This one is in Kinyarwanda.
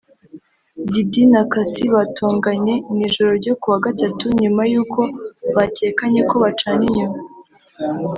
Diddy na Cassie batonganye mu ijoro ryo kuwa Gatatu nyuma y’uko bakekanye ko bacana inyuma